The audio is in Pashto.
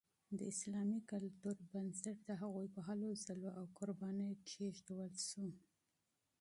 د اسلامي تمدن بنسټ د هغوی په هلو ځلو او قربانیو کیښودل شو.